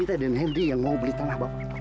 ini tadi dari henry yang mau beli tanah bapak